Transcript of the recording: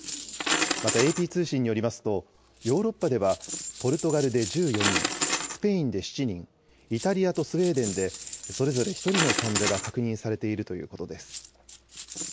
また、ＡＰ通信によりますと、ヨーロッパでは、ポルトガルで１４人、スペインで７人、イタリアとスウェーデンでそれぞれ１人の患者が確認されているということです。